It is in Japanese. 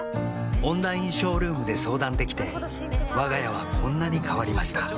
オンラインショールームで相談できてわが家はこんなに変わりました